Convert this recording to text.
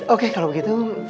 oke kalau begitu